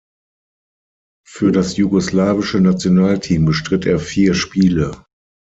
Für das jugoslawische Nationalteam bestritt er vier Spiele.